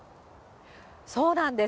そうなんです。